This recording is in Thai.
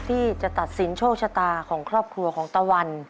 ที่จะตัดสินโชคชะตาของครอบครัวของตะวัน